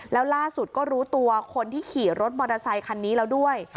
แล้วล่าสุดก็รู้ตัวคนที่ขี่รถมอเตอร์ไซคันนี้แล้วด้วย